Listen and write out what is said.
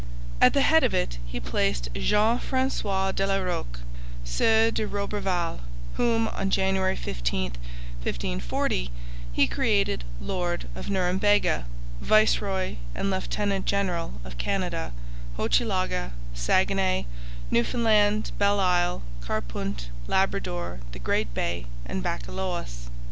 At the head of it he placed Jean Francois de la Roque, Sieur de Roberval, whom, on January 15, 1540, he created Lord of Norumbega, viceroy and lieutenant general of Canada, Hochelaga, Saguenay, Newfoundland, Belle Isle, Carpunt, Labrador, the Great Bay, and Baccalaos.